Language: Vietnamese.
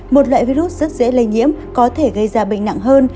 một loại virus rất dễ lây nhiễm có thể gây ra bệnh nặng hơn